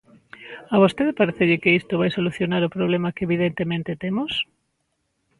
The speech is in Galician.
¿A vostede parécelle que isto vai solucionar o problema que evidentemente temos?